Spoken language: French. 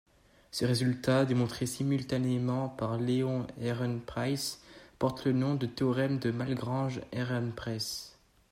Ce résultat, démontré simultanément par Leon Ehrenpreis, porte le nom de théorème de Malgrange-Ehrenpreis.